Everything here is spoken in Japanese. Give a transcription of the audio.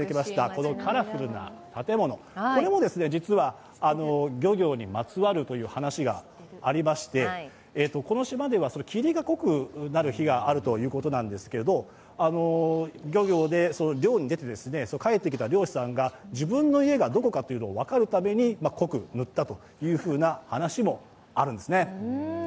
このカラフルな建物も実は漁業にまつわるという話がありまして、この島では霧が濃くなる日があるということなんですけど、漁に出て帰ってきた漁師さんが自分の家がどこか分かるために濃く塗ったという話もあるんですね。